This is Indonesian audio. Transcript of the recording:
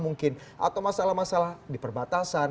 mungkin atau masalah masalah diperbatasan